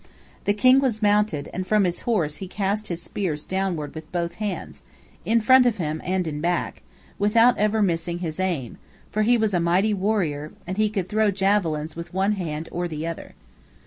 The king was mounted, and from his horse he cast his spears downward with both hands, in front of him and in back, without ever missing his aim, for he was a mighty warrior, and he could throw javelins with one hand or the other.